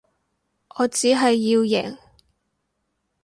我只係要贏